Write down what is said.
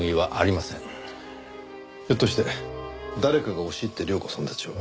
ひょっとして誰かが押し入って亮子さんたちを？